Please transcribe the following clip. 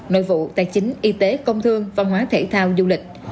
nội vụ tài chính y tế công thương văn hóa thể thao du lịch